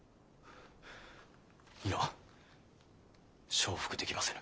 承服できませぬ。